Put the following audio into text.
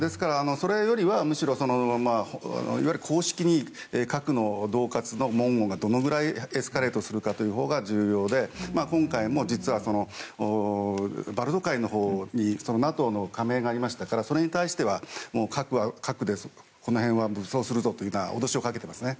それよりは公式に核の恫喝の文言がどのくらいエスカレートするほうが重要で今回もバルト海のほうにＮＡＴＯの加盟がありましたからそれに対しては核で、この辺は武装するぞと脅しをかけていますね。